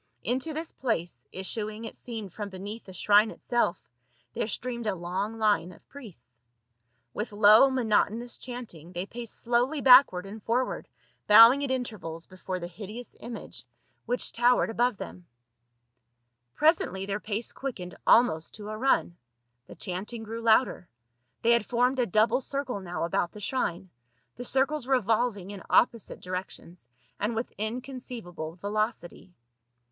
Into this place, issuing it seemed from beneath the shrine itself, there streamed a long line of priests. With low monotonous chant ing they paced slowly backward and forward, bowing at intervals before the hideous image which towered 92 PAUL. above them. Presently their pace quickened almost to a run ; the chanting grew louder ; they had formed a double circle now about the shrine, the circles revolving in opposite directions, and with inconceivable velocity.